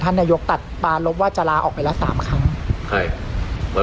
ท่านนายกตัดปารลบว่าจะลาออกไปแล้วสามครั้งใครปาร